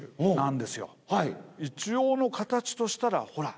一応の形としたらほら